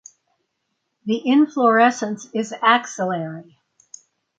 The inflorescence is axillary.